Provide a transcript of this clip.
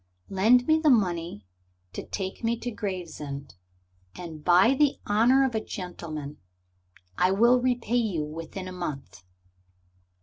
Lend me the money to take me to Gravesend, and by the honor of a gentleman I will repay you within a month."